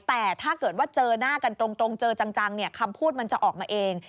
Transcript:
แต่ถ้าเกิดว่าเจอหน้ากันตรงเจอจังคำพูดมันจะออกมาเอง